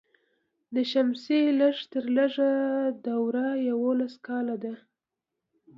د شمسي لږ تر لږه دوره یوولس کاله ده.